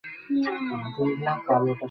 মীর হাবিব অত্যন্ত বুদ্ধিমান ছিলেন।